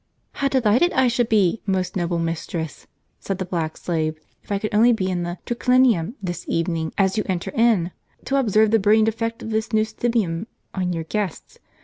"How delighted I should be, most noble mistress," said the black slave, "if I could only be in the triclinium* this evening as you enter in, to observe the brilliant effect of this new stibium t on your guests